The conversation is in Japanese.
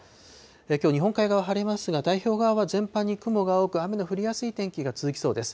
きょう日本海側は晴れますが、太平洋側は全般に雲が多く雨の降りやすい天気が続きそうです。